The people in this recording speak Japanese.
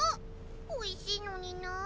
おいしいのになあ。